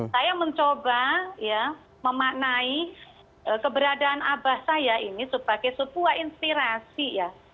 saya mencoba ya memaknai keberadaan abah saya ini sebagai sebuah inspirasi ya